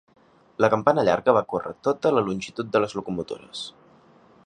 La campana llarga va córrer tota la longitud de les locomotores.